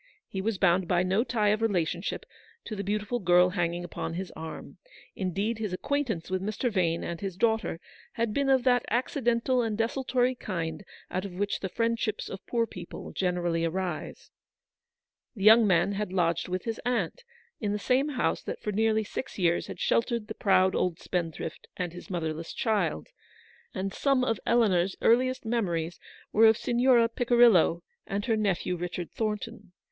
He was bound by no tie of relationship to the beautiful girl hanging upon his arm. Indeed, his acquaintance with Mr. Vane and his daughter had been of that acci dental and desultory kind out of which the friend ships of poor people generally arise. The young man had lodged with his aunt in the same house that for nearly six years had sheltered the proud old spendthrift and his motherless child, and syme of Eleanor's earliest memories were of Signora Picirillo and her nephew Richard Thornton.